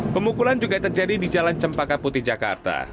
pemukulan juga terjadi di jalan cempaka putih jakarta